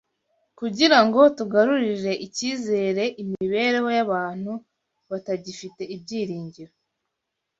kugira ngo tugarurire icyizere imibereho y’abantu batagifite ibyiringiro. …